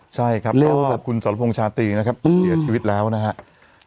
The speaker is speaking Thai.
ใช่ครับก็คุณสรพงษ์ชาตรีนะครับเสียชีวิตแล้วนะครับ